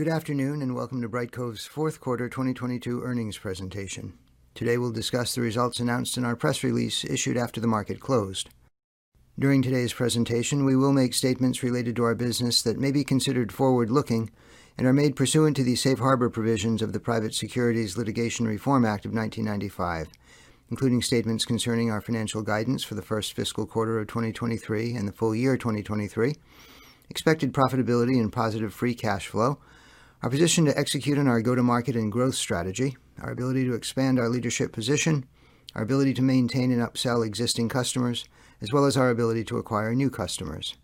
Good afternoon, welcome to Brightcove's fourth quarter 2022 earnings presentation. Today we'll discuss the results announced in our press release issued after the market closed. During today's presentation, we will make statements related to our business that may be considered forward-looking and are made pursuant to the safe harbor provisions of the Private Securities Litigation Reform Act of 1995. Including statements concerning our financial guidance for the first fiscal quarter of 2023 and the full year 2023, expected profitability and positive free cash flow, our position to execute on our go-to-market and growth strategy, our ability to expand our leadership position, our ability to maintain and upsell existing customers, as well as our ability to acquire new customers.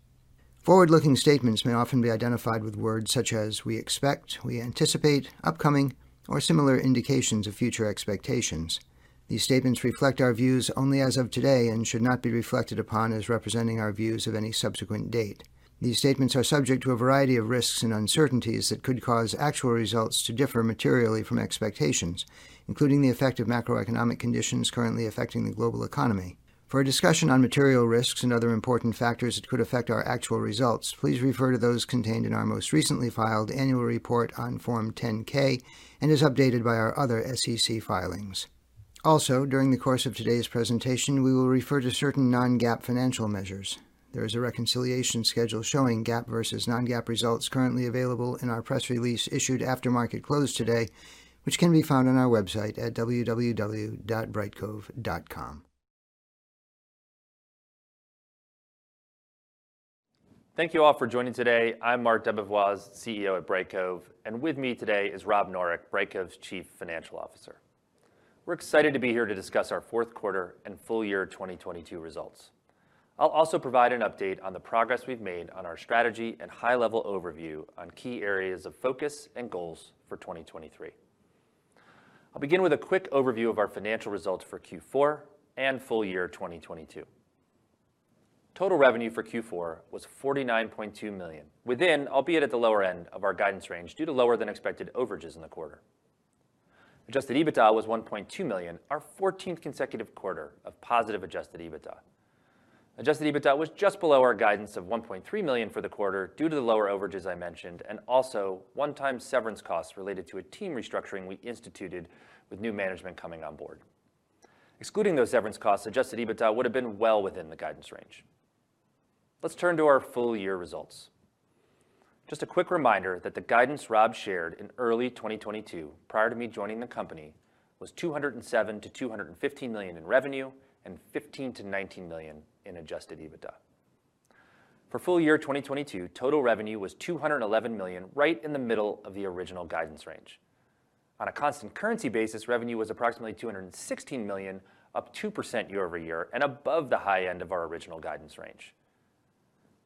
Forward-looking statements may often be identified with words such as "we expect," "we anticipate," "upcoming," or similar indications of future expectations. These statements reflect our views only as of today and should not be reflected upon as representing our views of any subsequent date. These statements are subject to a variety of risks and uncertainties that could cause actual results to differ materially from expectations, including the effect of macroeconomic conditions currently affecting the global economy. For a discussion on material risks and other important factors that could affect our actual results, please refer to those contained in our most recently filed annual report on Form 10-K and as updated by our other SEC filings. During the course of today's presentation, we will refer to certain non-GAAP financial measures. There is a reconciliation schedule showing GAAP versus non-GAAP results currently available in our press release issued after market close today, which can be found on our website at www.brightcove.com. Thank you all for joining today. I'm Marc DeBevoise, CEO at Brightcove, and with me today is Rob Noreck, Brightcove's Chief Financial Officer. We're excited to be here to discuss our fourth quarter and full year 2022 results. I'll also provide an update on the progress we've made on our strategy and high-level overview on key areas of focus and goals for 2023. I'll begin with a quick overview of our financial results for Q4 and full year 2022. Total revenue for Q4 was $49.2 million, within, albeit at the lower end of our guidance range due to lower than expected overages in the quarter. Adjusted EBITDA was $1.2 million, our 14th consecutive quarter of positive adjusted EBITDA. adjusted EBITDA was just below our guidance of $1.3 million for the quarter due to the lower overages I mentioned, and also one-time severance costs related to a team restructuring we instituted with new management coming on board. Excluding those severance costs, adjusted EBITDA would have been well within the guidance range. Let's turn to our full year results. Just a quick reminder that the guidance Rob shared in early 2022 prior to me joining the company was $207 million-$215 million in revenue and $15 million-$19 million in adjusted EBITDA. For full year 2022, total revenue was $211 million, right in the middle of the original guidance range. On a constant currency basis, revenue was approximately $216 million, up 2% year-over-year and above the high end of our original guidance range.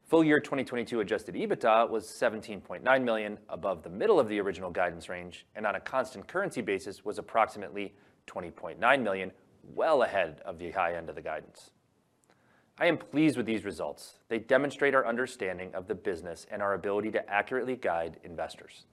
Full year 2022 adjusted EBITDA was $17.9 million above the middle of the original guidance range, and on a constant currency basis was approximately $20.9 million, well ahead of the high end of the guidance. I am pleased with these results. They demonstrate our understanding of the business and our ability to accurately guide investors.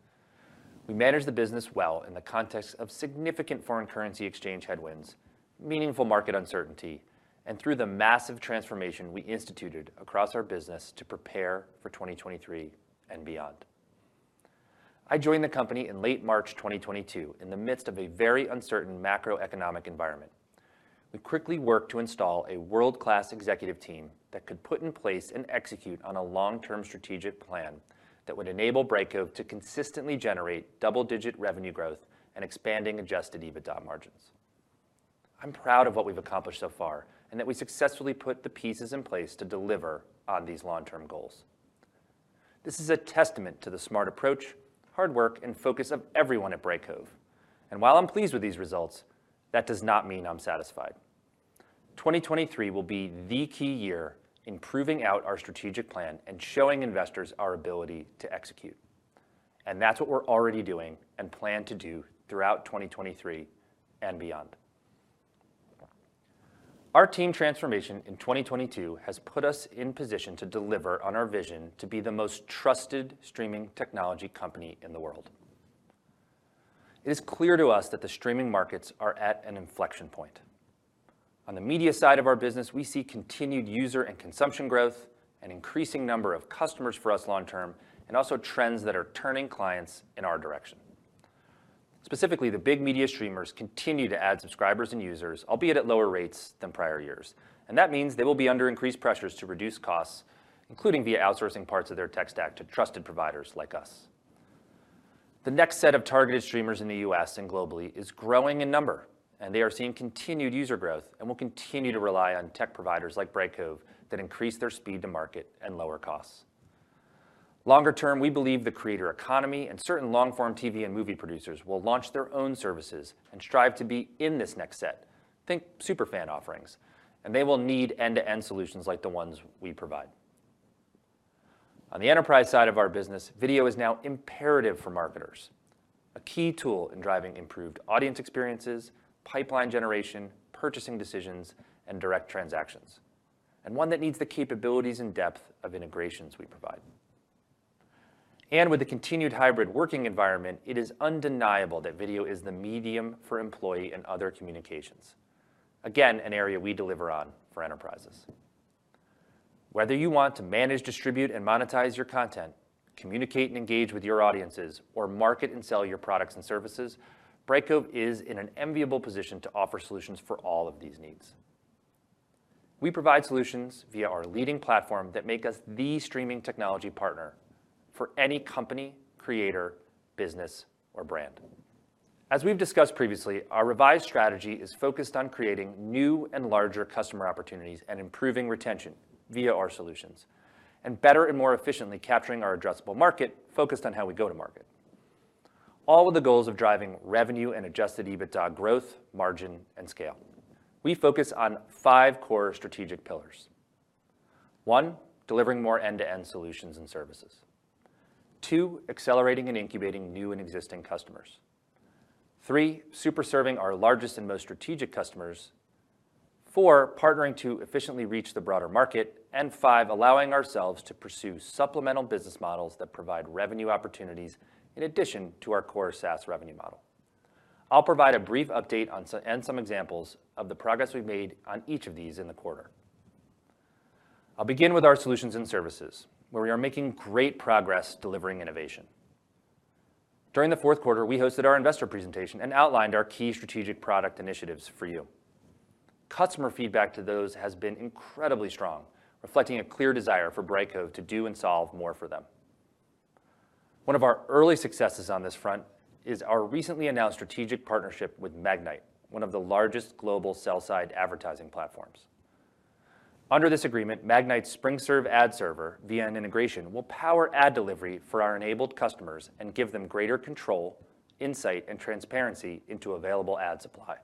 We managed the business well in the context of significant foreign currency exchange headwinds, meaningful market uncertainty, and through the massive transformation we instituted across our business to prepare for 2023 and beyond. I joined the company in late March 2022 in the midst of a very uncertain macroeconomic environment. We quickly worked to install a world-class executive team that could put in place and execute on a long-term strategic plan that would enable Brightcove to consistently generate double-digit revenue growth and expanding adjusted EBITDA margins. I'm proud of what we've accomplished so far and that we successfully put the pieces in place to deliver on these long-term goals. This is a testament to the smart approach, hard work, and focus of everyone at Brightcove. While I'm pleased with these results, that does not mean I'm satisfied. 2023 will be the key year in proving out our strategic plan and showing investors our ability to execute. That's what we're already doing and plan to do throughout 2023 and beyond. Our team transformation in 2022 has put us in position to deliver on our vision to be the most trusted streaming technology company in the world. It is clear to us that the streaming markets are at an inflection point. On the media side of our business, we see continued user and consumption growth, an increasing number of customers for us long term, and also trends that are turning clients in our direction. Specifically, the big media streamers continue to add subscribers and users, albeit at lower rates than prior years. That means they will be under increased pressures to reduce costs, including via outsourcing parts of their tech stack to trusted providers like us. The next set of targeted streamers in the U.S. and globally is growing in number, they are seeing continued user growth and will continue to rely on tech providers like Brightcove that increase their speed to market and lower costs. Longer term, we believe the creator economy and certain long-form TV and movie producers will launch their own services and strive to be in this next set. Think super fan offerings. They will need end-to-end solutions like the ones we provide. On the enterprise side of our business, video is now imperative for marketers, a key tool in driving improved audience experiences, pipeline generation, purchasing decisions, and direct transactions, and one that needs the capabilities and depth of integrations we provide. With the continued hybrid working environment, it is undeniable that video is the medium for employee and other communications. Again, an area we deliver on for enterprises. Whether you want to manage, distribute, and monetize your content, communicate and engage with your audiences, or market and sell your products and services, Brightcove is in an enviable position to offer solutions for all of these needs. We provide solutions via our leading platform that make us the streaming technology partner for any company, creator, business, or brand. As we've discussed previously, our revised strategy is focused on creating new and larger customer opportunities and improving retention via our solutions, and better and more efficiently capturing our addressable market focused on how we go to market. All with the goals of driving revenue and adjusted EBITDA growth, margin, and scale. We focus on five core strategic pillars. One, delivering more end-to-end solutions and services. Two, accelerating and incubating new and existing customers. Three, super serving our largest and most strategic customers. Four, partnering to efficiently reach the broader market. Five, allowing ourselves to pursue supplemental business models that provide revenue opportunities in addition to our core SaaS revenue model. I'll provide a brief update on and some examples of the progress we've made on each of these in the quarter. I'll begin with our solutions and services, where we are making great progress delivering innovation. During the fourth quarter, we hosted our investor presentation and outlined our key strategic product initiatives for you. Customer feedback to those has been incredibly strong, reflecting a clear desire for Brightcove to do and solve more for them. One of our early successes on this front is our recently announced strategic partnership with Magnite, one of the largest global sell-side advertising platforms. Under this agreement, Magnite's SpringServe ad server via an integration will power ad delivery for our enabled customers and give them greater control, insight, and transparency into available ad supply.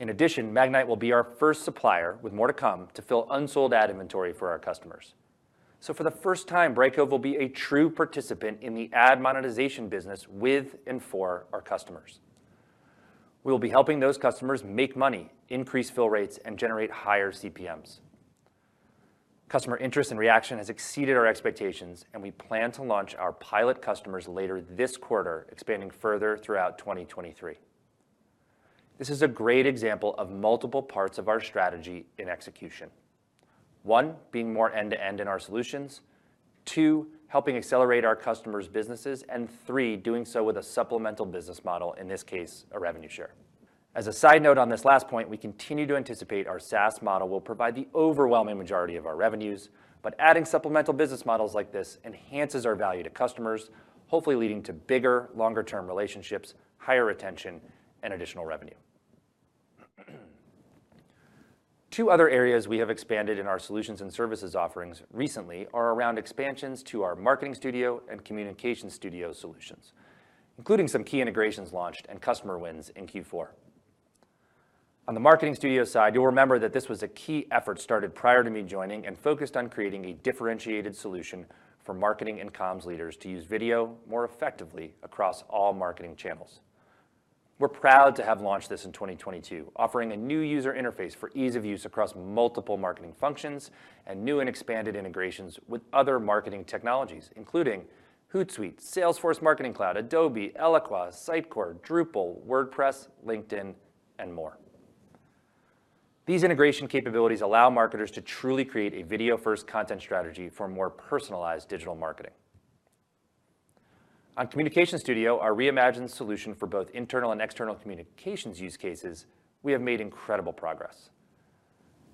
In addition, Magnite will be our first supplier with more to come to fill unsold ad inventory for our customers. For the first time, Brightcove will be a true participant in the ad monetization business with and for our customers. We will be helping those customers make money, increase fill rates, and generate higher CPMs. Customer interest and reaction has exceeded our expectations, and we plan to launch our pilot customers later this quarter, expanding further throughout 2023. This is a great example of multiple parts of our strategy in execution. One, being more end-to-end in our solutions. Two, helping accelerate our customers' businesses. Three, doing so with a supplemental business model, in this case, a revenue share. As a side note on this last point, we continue to anticipate our SaaS model will provide the overwhelming majority of our revenues, but adding supplemental business models like this enhances our value to customers, hopefully leading to bigger, longer-term relationships, higher retention, and additional revenue. Two other areas we have expanded in our solutions and services offerings recently are around expansions to our Marketing Studio and Communication Studio solutions, including some key integrations launched and customer wins in Q4. On the Marketing Studio side, you'll remember that this was a key effort started prior to me joining and focused on creating a differentiated solution for marketing and comms leaders to use video more effectively across all marketing channels. We're proud to have launched this in 2022, offering a new user interface for ease of use across multiple marketing functions and new and expanded integrations with other marketing technologies, including Hootsuite, Salesforce Marketing Cloud, Adobe, Eloqua, Sitecore, Drupal, WordPress, LinkedIn, and more. These integration capabilities allow marketers to truly create a video-first content strategy for more personalized digital marketing. On Communications Studio, our reimagined solution for both internal and external communications use cases, we have made incredible progress.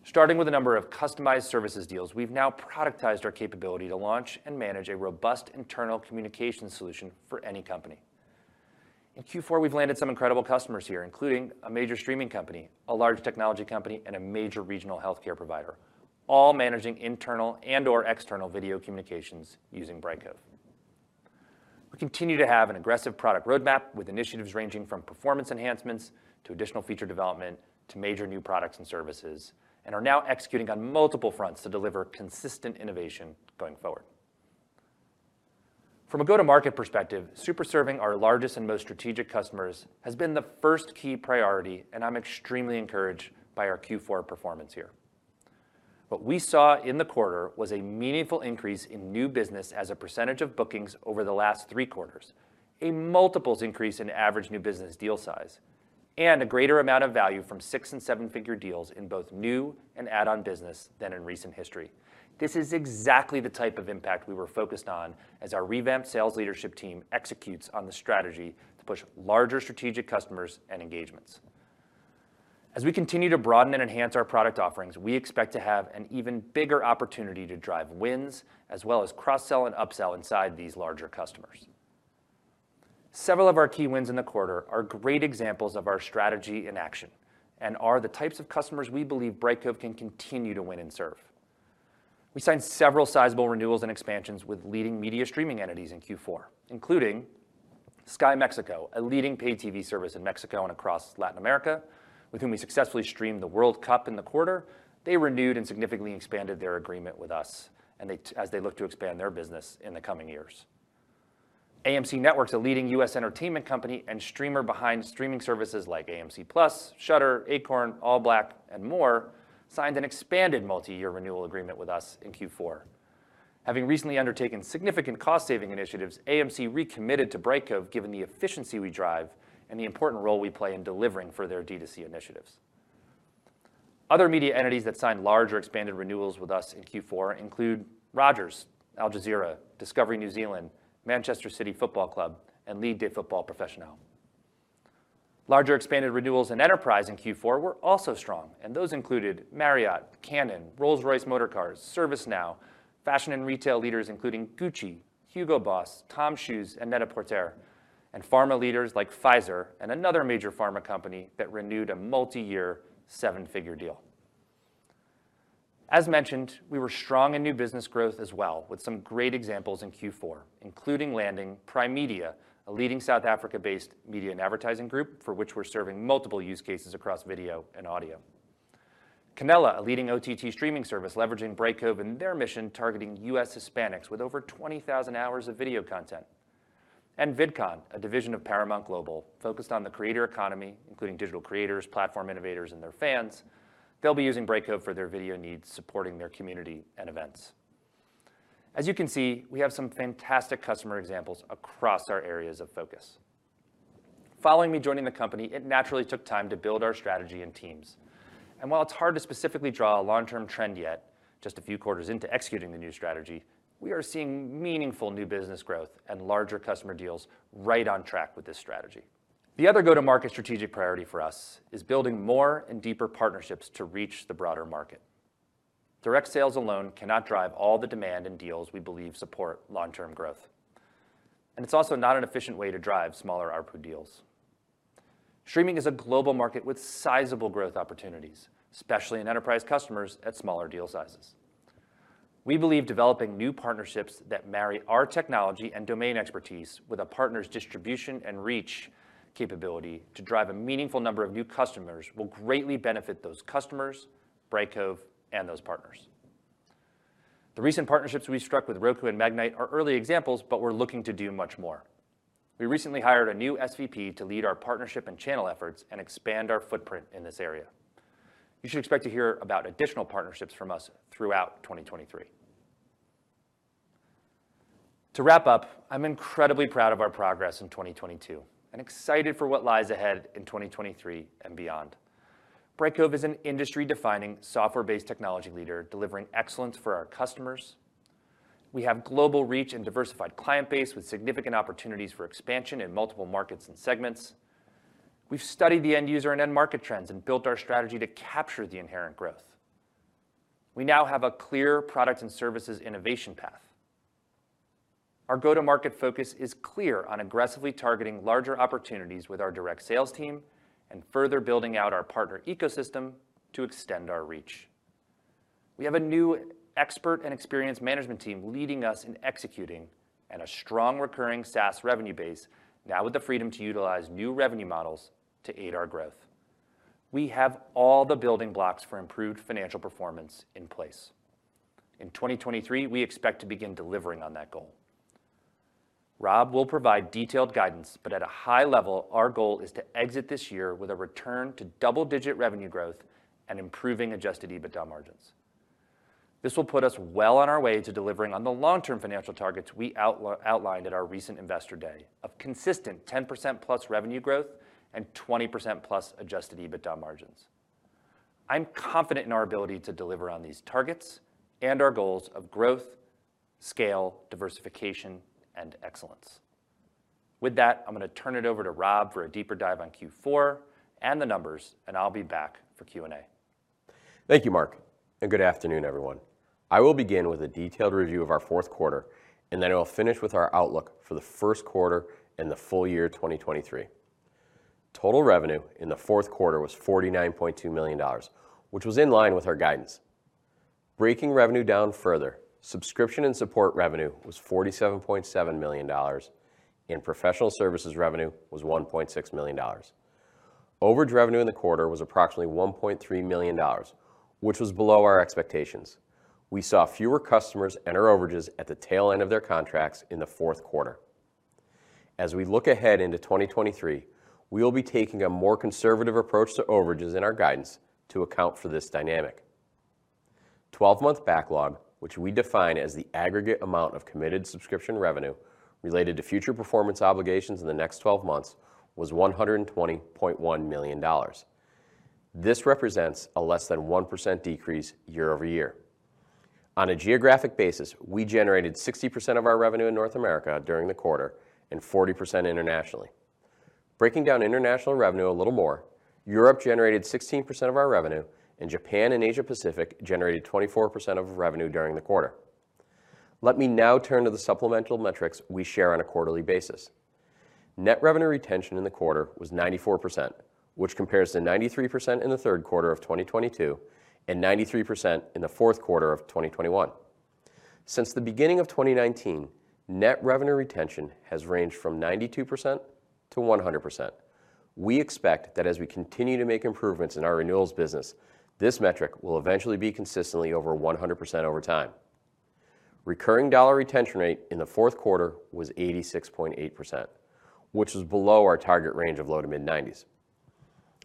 Starting with a number of customized services deals, we've now productized our capability to launch and manage a robust internal communication solution for any company. In Q four, we've landed some incredible customers here, including a major streaming company, a large technology company, and a major regional healthcare provider, all managing internal and/or external video communications using Brightcove.. We continue to have an aggressive product roadmap with initiatives ranging from performance enhancements to additional feature development to major new products and services, and are now executing on multiple fronts to deliver consistent innovation going forward. From a go-to-market perspective, super serving our largest and most strategic customers has been the first key priority, and I'm extremely encouraged by our Q four performance here. What we saw in the quarter was a meaningful increase in new business as a percentage of bookings over the last three quarters, a multiples increase in average new business deal size, and a greater amount of value from six and seven figure deals in both new and add-on business than in recent history. This is exactly the type of impact we were focused on as our revamped sales leadership team executes on the strategy to push larger strategic customers and engagements. As we continue to broaden and enhance our product offerings, we expect to have an even bigger opportunity to drive wins, as well as cross-sell and upsell inside these larger customers. Several of our key wins in the quarter are great examples of our strategy in action and are the types of customers we believe Brightcove can continue to win and serve. We signed several sizable renewals and expansions with leading media streaming entities in Q4, including Sky México, a leading paid TV service in Mexico and across Latin America, with whom we successfully streamed the World Cup in the quarter. They renewed and significantly expanded their agreement with us as they look to expand their business in the coming years. AMC Networks, a leading US entertainment company and streamer behind streaming services like AMC+, Shudder, Acorn TV, ALLBLK, and more, signed an expanded multi-year renewal agreement with us in Q4. Having recently undertaken significant cost-saving initiatives, AMC recommitted to Brightcove given the efficiency we drive and the important role we play in delivering for their D2C initiatives. Other media entities that signed large or expanded renewals with us in Q4 include Rogers, Al Jazeera, Discovery New Zealand, Manchester City Football Club, and Ligue de Football Professionnel. Larger expanded renewals in enterprise in Q4 were also strong, and those included Marriott, Canon, Rolls-Royce Motor Cars, ServiceNow, fashion and retail leaders, including Gucci, Hugo Boss, TOMS, and NET-A-PORTER, and pharma leaders like Pfizer and another major pharma company that renewed a multi-year $7-figure deal. As mentioned, we were strong in new business growth as well, with some great examples in Q4, including landing Primedia, a leading South Africa-based media and advertising group for which we're serving multiple use cases across video and audio. Canela Media, a leading OTT streaming service leveraging Brightcove in their mission targeting US Hispanics with over 20,000 hours of video content. VidCon, a division of Paramount Global, focused on the creator economy, including digital creators, platform innovators, and their fans. They'll be using Brightcove for their video needs, supporting their community and events. As you can see, we have some fantastic customer examples across our areas of focus. Following me joining the company, it naturally took time to build our strategy and teams. While it's hard to specifically draw a long-term trend yet, just a few quarters into executing the new strategy, we are seeing meaningful new business growth and larger customer deals right on track with this strategy. The other go-to-market strategic priority for us is building more and deeper partnerships to reach the broader market. Direct sales alone cannot drive all the demand and deals we believe support long-term growth. It's also not an efficient way to drive smaller ARPU deals. Streaming is a global market with sizable growth opportunities, especially in enterprise customers at smaller deal sizes. We believe developing new partnerships that marry our technology and domain expertise with a partner's distribution and reach capability to drive a meaningful number of new customers will greatly benefit those customers, Brightcove, and those partners. The recent partnerships we struck with Roku and Magnite are early examples, but we're looking to do much more. We recently hired a new SVP to lead our partnership and channel efforts and expand our footprint in this area. You should expect to hear about additional partnerships from us throughout 2023. To wrap up, I'm incredibly proud of our progress in 2022 and excited for what lies ahead in 2023 and beyond. Brightcove is an industry-defining software-based technology leader delivering excellence for our customers. We have global reach and diversified client base with significant opportunities for expansion in multiple markets and segments. We've studied the end user and end market trends and built our strategy to capture the inherent growth. We now have a clear product and services innovation path. Our go-to-market focus is clear on aggressively targeting larger opportunities with our direct sales team and further building out our partner ecosystem to extend our reach. We have a new expert and experienced management team leading us in executing and a strong recurring SaaS revenue base now with the freedom to utilize new revenue models to aid our growth. We have all the building blocks for improved financial performance in place. In 2023, we expect to begin delivering on that goal. Rob will provide detailed guidance, but at a high level, our goal is to exit this year with a return to double-digit revenue growth and improving adjusted EBITDA margins. This will put us well on our way to delivering on the long-term financial targets we outlined at our recent Investor Day of consistent 10% plus revenue growth and 20% plus adjusted EBITDA margins. I'm confident in our ability to deliver on these targets and our goals of growth, scale, diversification, and excellence. With that, I'm gonna turn it over to Rob for a deeper dive on Q4 and the numbers, and I'll be back for Q&A. Thank you, Marc. Good afternoon, everyone. I will begin with a detailed review of our fourth quarter. Then I will finish with our outlook for the first quarter and the full year 2023. Total revenue in the fourth quarter was $49.2 million, which was in line with our guidance. Breaking revenue down further, subscription and support revenue was $47.7 million. Professional services revenue was $1.6 million. Overage revenue in the quarter was approximately $1.3 million, which was below our expectations. We saw fewer customers enter overages at the tail end of their contracts in the fourth quarter. As we look ahead into 2023, we will be taking a more conservative approach to overages in our guidance to account for this dynamic. 12-month backlog, which we define as the aggregate amount of committed subscription revenue related to future performance obligations in the next 12 months, was $120.1 million. This represents a less than 1% decrease year-over-year. On a geographic basis, we generated 60% of our revenue in North America during the quarter and 40% internationally. Breaking down international revenue a little more, Europe generated 16% of our revenue, and Japan and Asia Pacific generated 24% of revenue during the quarter. Let me now turn to the supplemental metrics we share on a quarterly basis. Net revenue retention in the quarter was 94%, which compares to 93% in the third quarter of 2022 and 93% in the fourth quarter of 2021. Since the beginning of 2019, net revenue retention has ranged from 92%-100%. We expect that as we continue to make improvements in our renewals business, this metric will eventually be consistently over 100% over time. Recurring dollar retention rate in the fourth quarter was 86.8%, which is below our target range of low to mid-90s.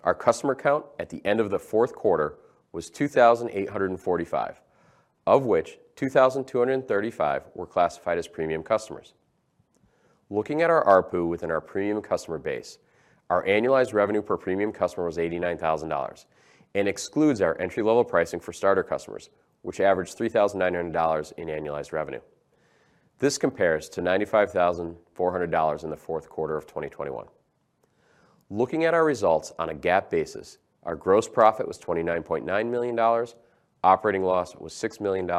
Our customer count at the end of the fourth quarter was 2,845, of which 2,235 were classified as premium customers. Looking at our ARPU within our premium customer base, our annualized revenue per premium customer was $89,000 and excludes our entry-level pricing for starter customers, which averaged $3,900 in annualized revenue. This compares to $95,400 in the fourth quarter of 2021. Looking at our results on a GAAP basis, our gross profit was $29.9 million, operating loss was $6 million,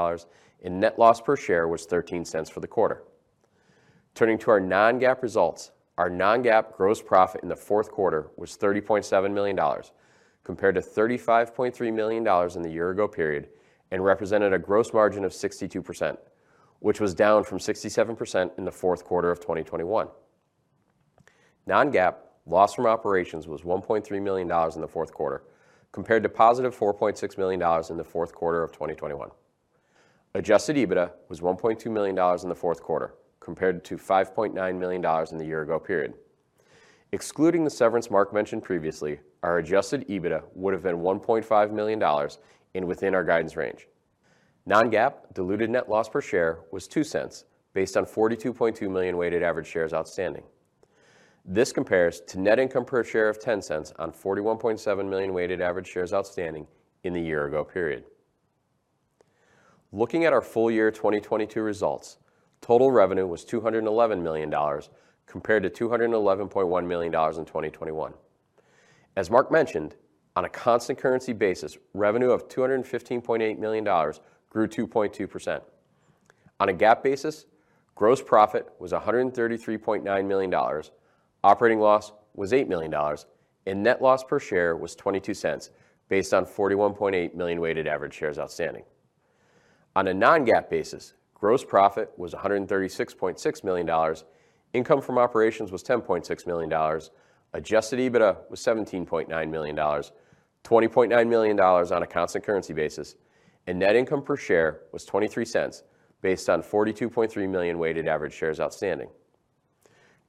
and net loss per share was $0.13 for the quarter. Turning to our non-GAAP results, our non-GAAP gross profit in the fourth quarter was $30.7 million compared to $35.3 million in the year ago period and represented a gross margin of 62%, which was down from 67% in the fourth quarter of 2021. Non-GAAP loss from operations was $1.3 million in the fourth quarter compared to positive $4.6 million in the fourth quarter of 2021. Adjusted EBITDA was $1.2 million in the fourth quarter compared to $5.9 million in the year ago period. Excluding the severance Marc mentioned previously, our adjusted EBITDA would have been $1.5 million and within our guidance range. non-GAAP diluted net loss per share was $0.02 based on 42.2 million weighted average shares outstanding. This compares to net income per share of $0.10 on 41.7 million weighted average shares outstanding in the year-ago period. Looking at our full year 2022 results, total revenue was $211 million compared to $211.1 million in 2021. As Marc mentioned, on a constant currency basis, revenue of $215.8 million grew 2.2%. On a GAAP basis, gross profit was $133.9 million, operating loss was $8 million, and net loss per share was $0.22 based on 41.8 million weighted average shares outstanding. On a non-GAAP basis, gross profit was $136.6 million, income from operations was $10.6 million, adjusted EBITDA was $17.9 million, $20.9 million on a constant currency basis, and net income per share was $0.23 based on 42.3 million weighted average shares outstanding.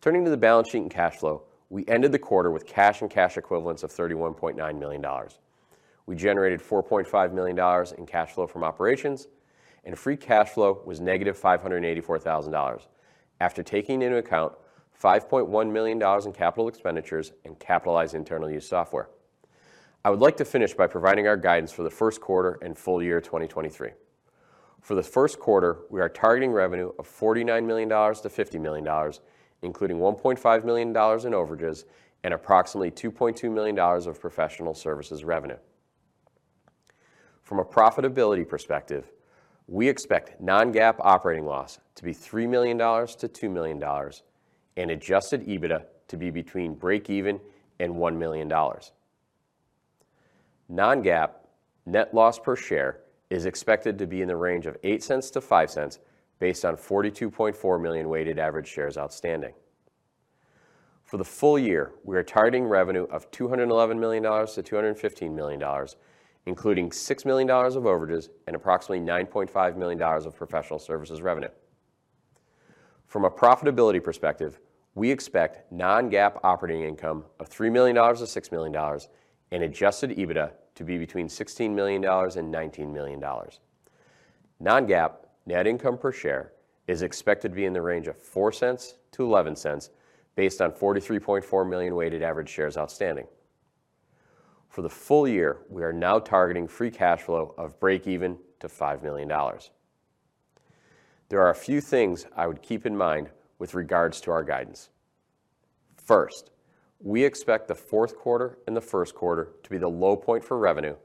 Turning to the balance sheet and cash flow, we ended the quarter with cash and cash equivalents of $31.9 million. We generated $4.5 million in cash flow from operations, and free cash flow was negative $584,000 after taking into account $5.1 million in capital expenditures and capitalized internal use software. I would like to finish by providing our guidance for the first quarter and full year 2023. For the first quarter, we are targeting revenue of $49 million-$50 million, including $1.5 million in overages and approximately $2.2 million of professional services revenue. From a profitability perspective, we expect non-GAAP operating loss to be $3 million-$2 million and adjusted EBITDA to be between breakeven and $1 million. Non-GAAP net loss per share is expected to be in the range of $0.08 to $0.05 based on 42.4 million weighted average shares outstanding. For the full year, we are targeting revenue of $211 million to $215 million, including $6 million of overages and approximately $9.5 million of professional services revenue. From a profitability perspective, we expect non-GAAP operating income of $3 million to $6 million and adjusted EBITDA to be between $16 million and $19 million. Non-GAAP net income per share is expected to be in the range of $0.04 to $0.11 based on 43.4 million weighted average shares outstanding. For the full year, we are now targeting free cash flow of breakeven to $5 million. There are a few things I would keep in mind with regards to our guidance. First, we expect the fourth quarter and the first quarter to be the low point for revenue,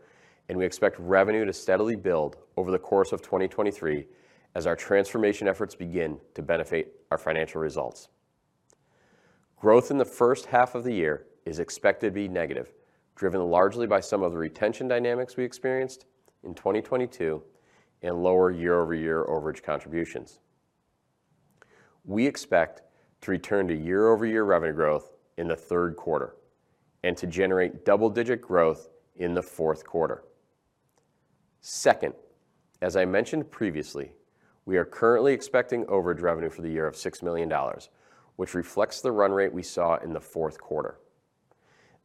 and we expect revenue to steadily build over the course of 2023 as our transformation efforts begin to benefit our financial results. Growth in the first half of the year is expected to be negative, driven largely by some of the retention dynamics we experienced in 2022 and lower year-over-year overage contributions. We expect to return to year-over-year revenue growth in the third quarter and to generate double-digit growth in the fourth quarter. Second, as I mentioned previously, we are currently expecting overage revenue for the year of $6 million, which reflects the run rate we saw in the fourth quarter.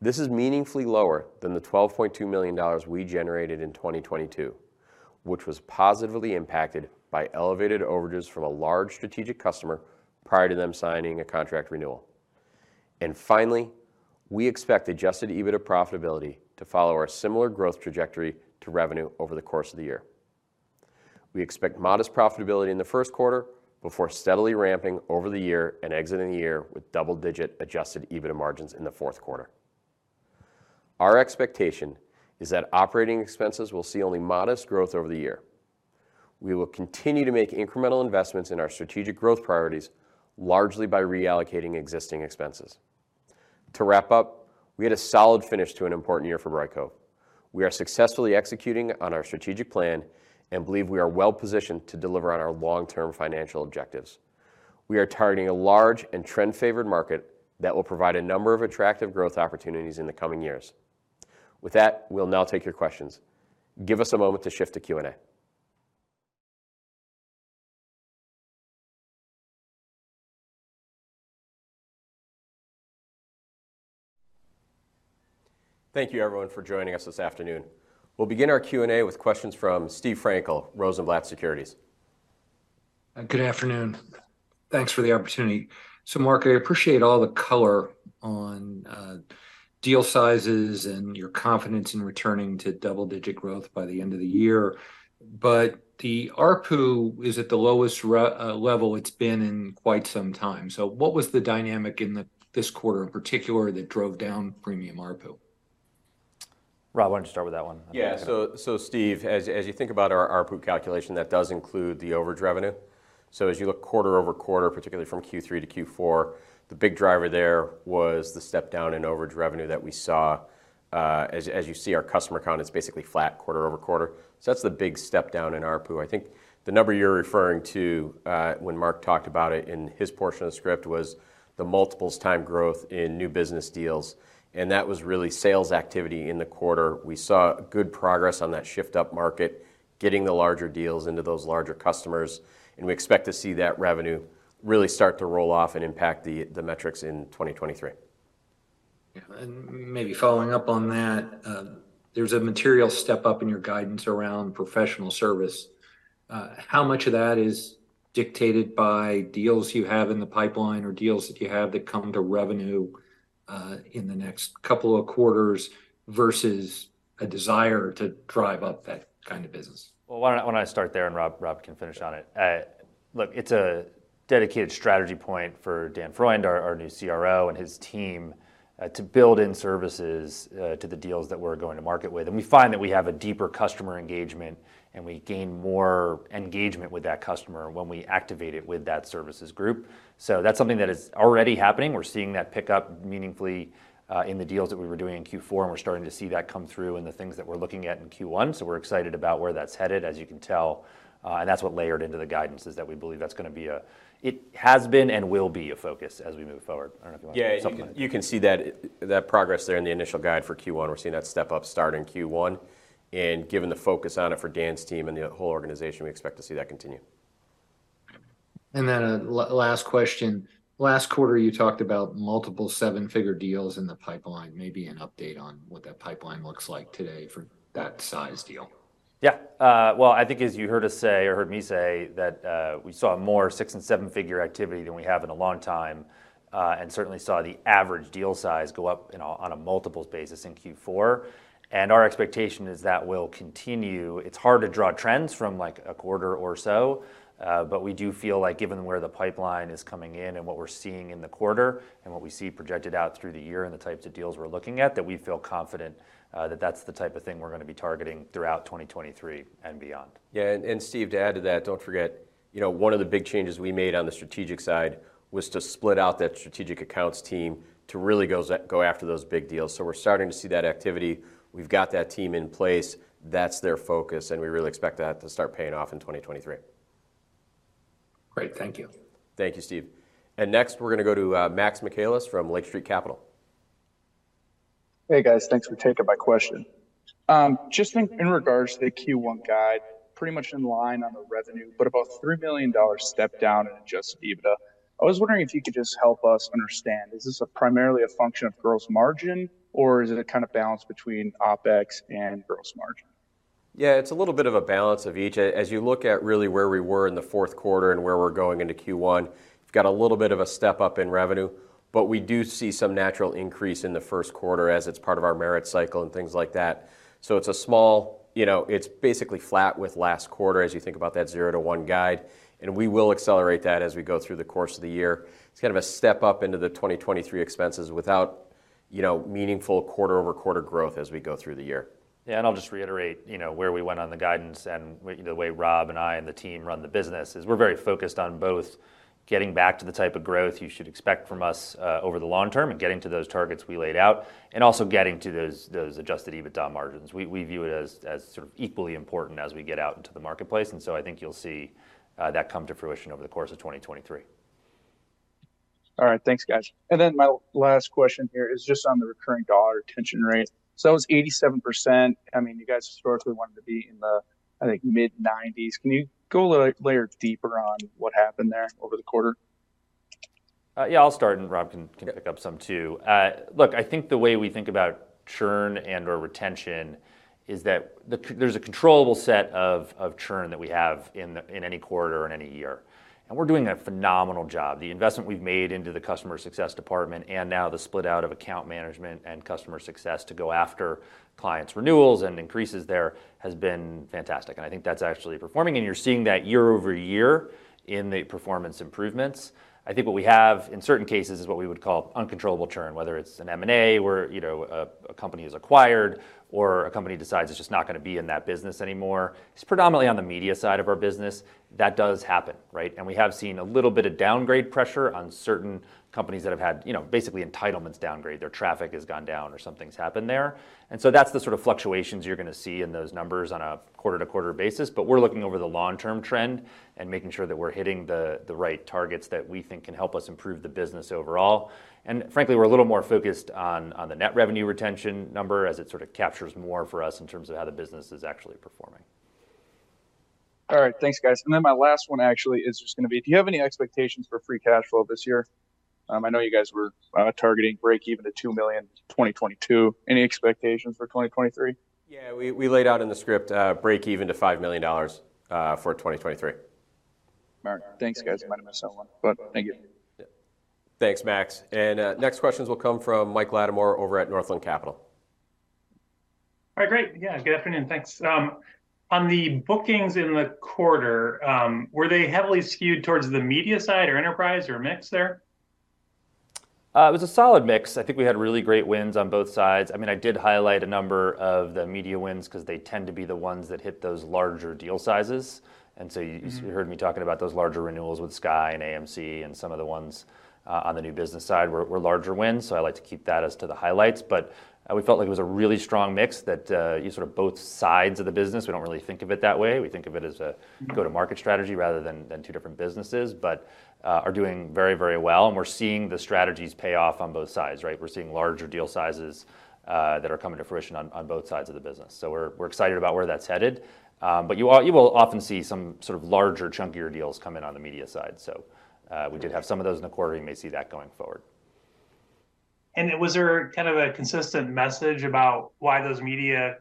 This is meaningfully lower than the $12.2 million we generated in 2022, which was positively impacted by elevated overages from a large strategic customer prior to them signing a contract renewal. Finally, we expect adjusted EBITDA profitability to follow our similar growth trajectory to revenue over the course of the year. We expect modest profitability in the first quarter before steadily ramping over the year and exiting the year with double-digit adjusted EBITDA margins in the fourth quarter. Our expectation is that operating expenses will see only modest growth over the year. We will continue to make incremental investments in our strategic growth priorities, largely by reallocating existing expenses. To wrap up, we had a solid finish to an important year for Brightcove. We are successfully executing on our strategic plan and believe we are well-positioned to deliver on our long-term financial objectives. We are targeting a large and trend-favored market that will provide a number of attractive growth opportunities in the coming years. With that, we'll now take your questions. Give us a moment to shift to Q&A. Thank you everyone for joining us this afternoon. We'll begin our Q&A with questions from Steve Frankel, Rosenblatt Securities. Good afternoon. Thanks for the opportunity. Marc, I appreciate all the color on deal sizes and your confidence in returning to double-digit growth by the end of the year. The ARPU is at the lowest level it's been in quite some time. What was the dynamic in this quarter in particular that drove down premium ARPU? Rob, why don't you start with that one? Steve, as you think about our ARPU calculation, that does include the overage revenue. As you look quarter-over-quarter, particularly from Q3 to Q4, the big driver there was the step-down in overage revenue that we saw. As you see, our customer count is basically flat quarter-over-quarter, that's the big step down in ARPU. I think the number you're referring to, when Mark talked about it in his portion of the script, was the multiples time growth in new business deals. That was really sales activity in the quarter. We saw good progress on that shift up market, getting the larger deals into those larger customers. We expect to see that revenue really start to roll off and impact the metrics in 2023. Yeah. Maybe following up on that, there's a material step up in your guidance around professional service. How much of that is dictated by deals you have in the pipeline or deals that you have that come to revenue in the next couple of quarters versus a desire to drive up that kind of business? Why don't I start there and Rob can finish on it. Look, it's a dedicated strategy point for Dan Freund, our new CRO, and his team, to build in services, to the deals that we're going to market with. We find that we have a deeper customer engagement, and we gain more engagement with that customer when we activate it with that services group. That's something that is already happening. We're seeing that pick up meaningfully in the deals that we were doing in Q4. We're starting to see that come through in the things that we're looking at in Q1. We're excited about where that's headed, as you can tell. That's what layered into the guidance is that we believe that's gonna be a... It has been and will be a focus as we move forward. I don't know if you want to talk about it. Yeah. You can see that progress there in the initial guide for Q1. We're seeing that step up start in Q1. Given the focus on it for Dan's team and the whole organization, we expect to see that continue. Last question. Last quarter, you talked about multiple seven-figure deals in the pipeline. Maybe an update on what that pipeline looks like today for that size deal. Yeah. well, I think as you heard us say or heard me say that, we saw more 6 and 7-figure activity than we have in a long time, and certainly saw the average deal size go up, you know, on a multiples basis in Q4. Our expectation is that will continue. It's hard to draw trends from, like, a quarter or so, but we do feel like given where the pipeline is coming in and what we're seeing in the quarter and what we see projected out through the year and the types of deals we're looking at, that we feel confident, that that's the type of thing we're gonna be targeting throughout 2023 and beyond. Yeah. Steve, to add to that, don't forget, you know, one of the big changes we made on the strategic side was to split out that strategic accounts team to really go after those big deals. We're starting to see that activity. We've got that team in place. That's their focus, and we really expect that to start paying off in 2023. Great. Thank you. Thank you, Steve. Next we're gonna go to Max Michaelis from Lake Street Capital. Hey, guys. Thanks for taking my question. Just in regards to the Q1 guide, pretty much in line on the revenue, but about $3 million step down in adjusted EBITDA. I was wondering if you could just help us understand, is this primarily a function of gross margin, or is it a kind of balance between OpEx and gross margin? Yeah. It's a little bit of a balance of each. As you look at really where we were in the fourth quarter and where we're going into Q1, we've got a little bit of a step up in revenue. We do see some natural increase in the first quarter as it's part of our merit cycle and things like that. You know, it's basically flat with last quarter as you think about that zero to one guide, and we will accelerate that as we go through the course of the year. It's kind of a step up into the 2023 expenses without, you know, meaningful quarter-over-quarter growth as we go through the year. I'll just reiterate, you know, where we went on the guidance and the way Rob and I and the team run the business, is we're very focused on both getting back to the type of growth you should expect from us over the long term and getting to those targets we laid out and also getting to those adjusted EBITDA margins. We view it as sort of equally important as we get out into the marketplace. I think you'll see that come to fruition over the course of 2023. All right. Thanks, guys. My last question here is just on the recurring dollar retention rate. It's 87%. I mean, you guys historically wanted to be in the, I think, mid-nineties. Can you go a little layer deeper on what happened there over the quarter? Yeah. I'll start, and Rob can pick up some too. Look, I think the way we think about churn and/or retention is that there's a controllable set of churn that we have in any quarter or in any year, and we're doing a phenomenal job. The investment we've made into the customer success department and now the split out of account management and customer success to go after clients' renewals and increases there has been fantastic, and I think that's actually performing. You're seeing that year-over-year in the performance improvements. I think what we have in certain cases is what we would call uncontrollable churn, whether it's an M&A where, you know, a company is acquired or a company decides it's just not gonna be in that business anymore. It's predominantly on the media side of our business. That does happen, right? We have seen a little bit of downgrade pressure on certain companies that have had, you know, basically entitlements downgrade. Their traffic has gone down or something's happened there. That's the sort of fluctuations you're gonna see in those numbers on a quarter-to-quarter basis. We're looking over the long-term trend and making sure that we're hitting the right targets that we think can help us improve the business overall. Frankly, we're a little more focused on the net revenue retention number, as it sort of captures more for us in terms of how the business is actually performing. All right. Thanks, guys. My last one actually is just gonna be, do you have any expectations for free cash flow this year? I know you guys were targeting break even to $2 million in 2022. Any expectations for 2023? We laid out in the script break even to $5 million for 2023. All right. Thanks, guys. Might have missed that one, but thank you. Yeah. Thanks, Max. Next questions will come from Mike Latimore over at Northland Capital Markets. Right, great. Good afternoon. Thanks. On the bookings in the quarter, were they heavily skewed towards the media side or enterprise or a mix there? It was a solid mix. I think we had really great wins on both sides. I mean, I did highlight a number of the media wins 'cause they tend to be the ones that hit those larger deal sizes you heard me talking about those larger renewals with Sky and AMC and some of the ones, on the new business side were larger wins. I like to keep that as to the highlights. We felt like it was a really strong mix that, you sort of both sides of the business, we don't really think of it that way, we think of it as. Mm-hmm ...go-to-market strategy rather than two different businesses. Are doing very, very well, and we're seeing the strategies pay off on both sides, right? We're seeing larger deal sizes that are coming to fruition on both sides of the business. We're excited about where that's headed, but you all will often see some sort of larger chunkier deals come in on the media side, so. Okay. We did have some of those in the quarter, you may see that going forward. Was there kind of a consistent message about why those media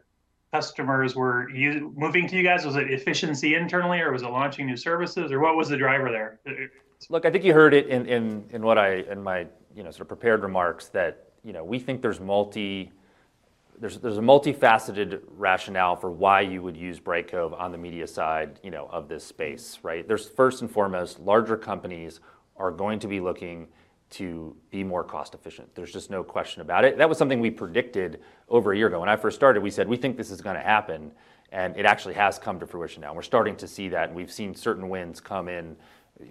customers were moving to you guys? Was it efficiency internally or was it launching new services or what was the driver there? Look, I think you heard it in what I, in my, you know, sort of prepared remarks that, you know, we think there's a multifaceted rationale for why you would use Brightcove on the media side, you know, of this space, right? There's first and foremost, larger companies are going to be looking to be more cost efficient. There's just no question about it. That was something we predicted over a year ago. When I first started, we said, "We think this is gonna happen," and it actually has come to fruition now. We're starting to see that, and we've seen certain wins come in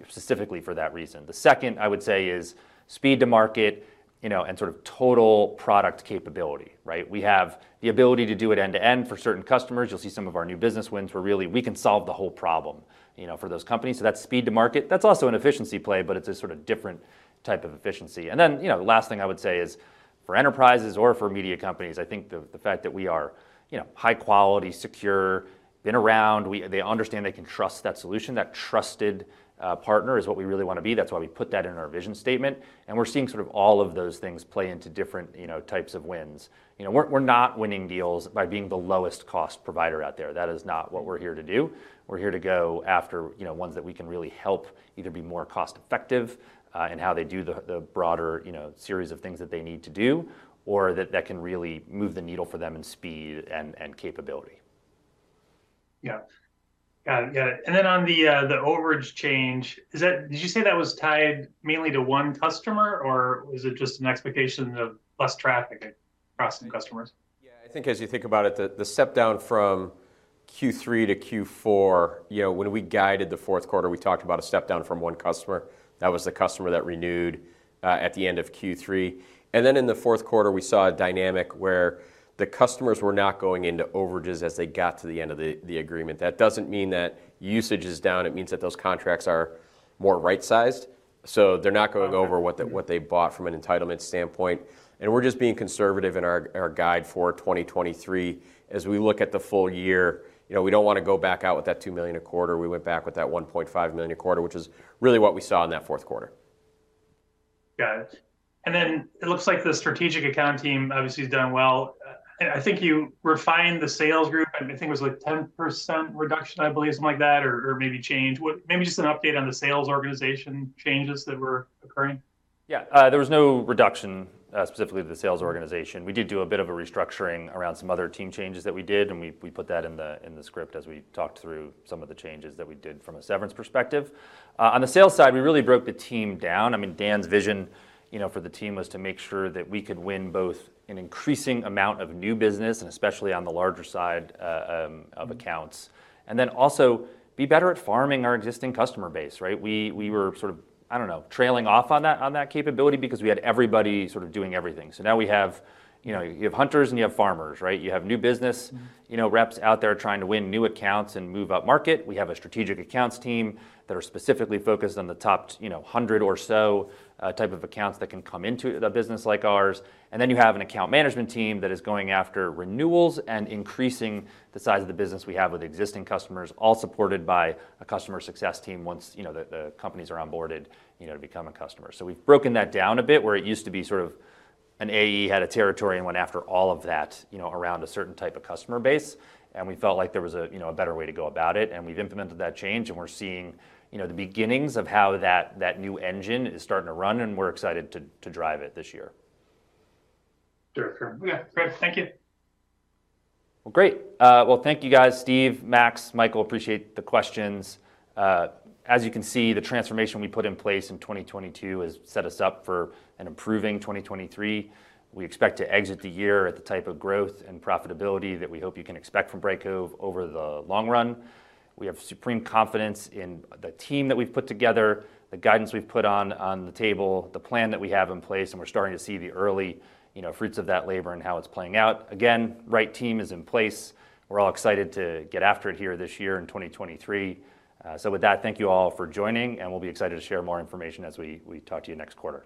specifically for that reason. The second I would say is speed to market, you know, and sort of total product capability, right? We have the ability to do it end-to-end for certain customers. You'll see some of our new business wins where really we can solve the whole problem, you know, for those companies. That's speed to market. That's also an efficiency play, but it's a sort of different type of efficiency. Then, you know, the last thing I would say is for enterprises or for media companies, I think the fact that we are, you know, high quality, secure, been around. They understand they can trust that solution, that trusted partner is what we really wanna be. That's why we put that in our vision statement. We're seeing sort of all of those things play into different, you know, types of wins. You know, we're not winning deals by being the lowest cost provider out there. That is not what we're here to do. We're here to go after, you know, ones that we can really help either be more cost effective, in how they do the broader, you know, series of things that they need to do, or that can really move the needle for them in speed and capability. Yeah. Got it. Got it. Then on the overage change, did you say that was tied mainly to one customer or was it just an expectation of less traffic across customers? Yeah. I think as you think about it, the step down from Q3 to Q4, you know, when we guided the fourth quarter, we talked about a step down from one customer. That was the customer that renewed at the end of Q3. In the fourth quarter, we saw a dynamic where the customers were not going into overages as they got to the end of the agreement. That doesn't mean that usage is down, it means that those contracts are more right-sized, so they're not going. Okay... what they bought from an entitlement standpoint. We're just being conservative in our guide for 2023. As we look at the full year, you know, we don't wanna go back out with that $2 million a quarter. We went back with that $1.5 million a quarter, which is really what we saw in that fourth quarter. Got it. It looks like the strategic account team obviously has done well. I think you refined the sales group. I think it was like 10% reduction, I believe, something like that or maybe change. Maybe just an update on the sales organization changes that were occurring? Yeah. There was no reduction specifically to the sales organization. We did do a bit of a restructuring around some other team changes that we did, and we put that in the script as we talked through some of the changes that we did from a severance perspective. On the sales side, we really broke the team down. I mean, Dan's vision, you know, for the team was to make sure that we could win both an increasing amount of new business, and especially on the larger side of accounts, and then also be better at farming our existing customer base, right? We were sort of, I don't know, trailing off on that, on that capability because we had everybody sort of doing everything. Now we have, you know, you have hunters and you have farmers, right? You have new business, you know, reps out there trying to win new accounts and move up market. We have a strategic accounts team that are specifically focused on the top, you know, 100 or so type of accounts that can come into the business like ours. Then you have an account management team that is going after renewals and increasing the size of the business we have with existing customers. All supported by a customer success team once, you know, the companies are onboarded, you know, to become a customer. So we've broken that down a bit where it used to be sort of an AE had a territory and went after all of that, you know, around a certain type of customer base. We felt like there was a, you know, a better way to go about it. We've implemented that change and we're seeing, you know, the beginnings of how that new engine is starting to run and we're excited to drive it this year. Sure. Sure. Yeah. Great. Thank you. Well, great. Well, thank you guys. Steve, Max, Michael, appreciate the questions. As you can see, the transformation we put in place in 2022 has set us up for an improving 2023. We expect to exit the year at the type of growth and profitability that we hope you can expect from Brightcove over the long run. We have supreme confidence in the team that we've put together, the guidance we've put on the table, the plan that we have in place, and we're starting to see the early, you know, fruits of that labor and how it's playing out. Again, right team is in place. We're all excited to get after it here this year in 2023. With that, thank you all for joining, and we'll be excited to share more information as we talk to you next quarter.